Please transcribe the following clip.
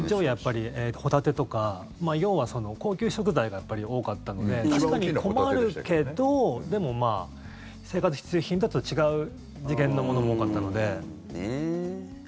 ホタテとか要は高級食材が多かったので確かに困るけどでも、生活必需品とは違う次元のものも多かったので。